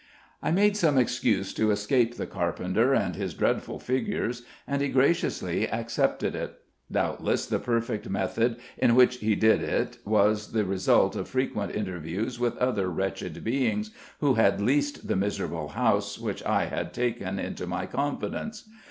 I made some excuse to escape the carpenter and his dreadful figures, and he graciously accepted it; doubtless the perfect method in which he did it was the result of frequent interviews with other wretched beings who had leased the miserable house which I had taken into my confidence.